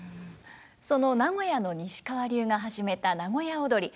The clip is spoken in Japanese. その名古屋の西川流が始めた名古屋をどり。